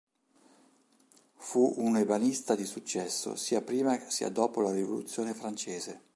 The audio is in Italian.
Fu un ebanista di successo sia prima sia dopo la Rivoluzione francese.